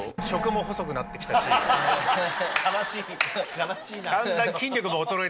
悲しいな。